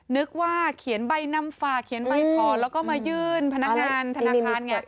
นึกว่าเขียนใบนำฝากเขียนใบธอนแล้วก็มายื่นธนาคารฮะ